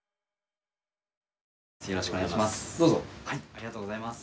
よろしくお願いします。